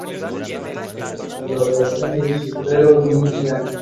Cuenta con la colaboración del rapero Big Sean.